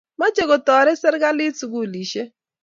Mochei kotoret serikalit sukulishek